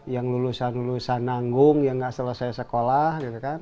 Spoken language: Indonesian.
yang lulusan lulusan nanggung yang tidak selesai sekolah